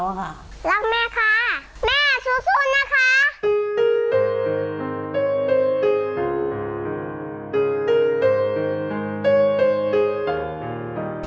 รักแม่ค่ะแม่สู้นะคะ